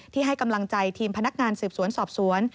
ให้กำลังใจทีมพนักงานสืบสวนสอบสวน